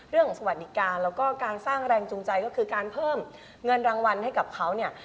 สวัสดิการแล้วก็การสร้างแรงจูงใจก็คือการเพิ่มเงินรางวัลให้กับเขาเนี่ย